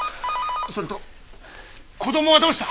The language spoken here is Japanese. それと子供はどうした？